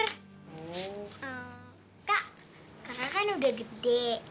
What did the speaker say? kak karena kan udah gede